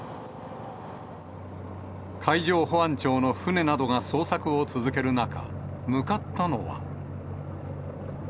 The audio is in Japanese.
海上保安庁の船などが捜索を続ける中、向かったのは。